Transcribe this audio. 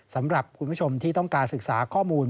สำหรับคุณผู้ชมที่ต้องการศึกษาข้อมูล